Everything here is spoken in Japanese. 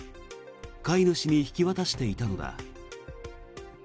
飼い主に引き渡していたのだ。